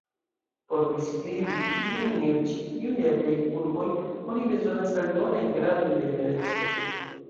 Por priskribi iujn el ĉi tiuj aliaj kurboj, oni bezonas aldonajn gradojn de libereco.